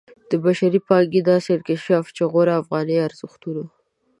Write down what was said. د بشري پانګې داسې انکشاف چې غوره افغاني ارزښتونو